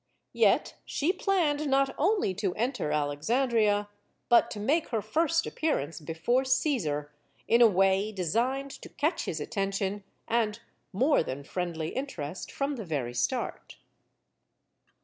Yet she planned not only to enter Alexandria, but to make her first appearance before Caesar in a way designed to catch his attention and more than friendly interest from the very start.